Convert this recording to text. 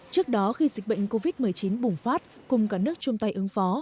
trước đó khi dịch bệnh covid một mươi chín bùng phát cùng cả nước chung tay ứng phó